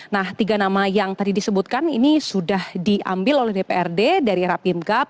nah tiga nama yang tadi disebutkan ini sudah diambil oleh dprd dari rapim gap